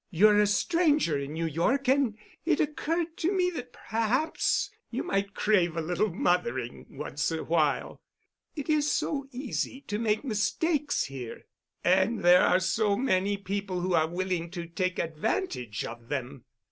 You're a stranger in New York, and it occurred to me that perhaps you might crave a little mothering once in a while. It is so easy to make mistakes here, and there are so many people who are willing to take advantage of them."